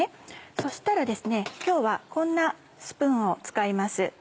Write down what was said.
そしたら今日はこんなスプーンを使います。